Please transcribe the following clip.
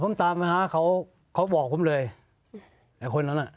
ผมตามเขาบอกผมเลยแต่คนนั้นน่ะ